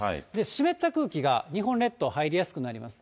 湿った空気が日本列島、入りやすくなります。